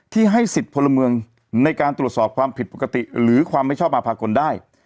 ให้สิทธิ์พลเมืองในการตรวจสอบความผิดปกติหรือความไม่ชอบมาภากลได้